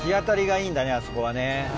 あそこはね。